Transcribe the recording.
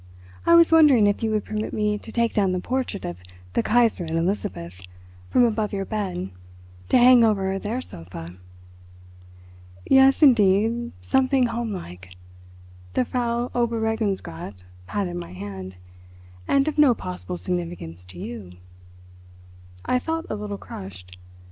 "I was wondering if you would permit me to take down the portrait of the Kaiserin Elizabeth from above your bed to hang over their sofa." "Yes, indeed, something homelike"—the Frau Oberregierungsrat patted my hand—"and of no possible significance to you." I felt a little crushed.